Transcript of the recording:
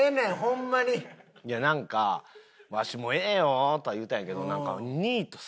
いやなんかわしもええよとは言うたんやけどなんか。